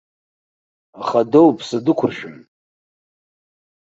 Аха доуԥсы дықәыршәым.